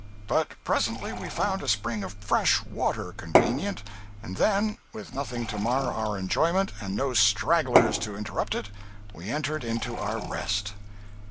But presently we found a spring of fresh water, convenient, and then, with nothing to mar our enjoyment, and no stragglers to interrupt it, we entered into our rest.